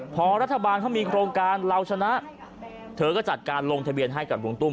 พอรัฐบาลเขามีโครงการเราชนะเธอก็จัดการลงทะเบียนให้กับวงตุ้